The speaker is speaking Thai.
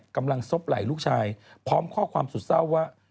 กำลังซบไหล่ลูกชายพร้อมข้อความสุดเศร้าว่า